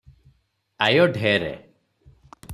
ଆୟ ଢେର ।